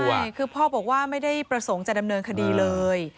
ใช่คือพ่อบอกว่าไม่ได้ประสงค์จะดำเนินคดีเลย